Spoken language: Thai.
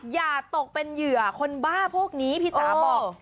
อย่าตกเป็นเหยื่อคนบ้าพวกนี้พี่จ๋าบอก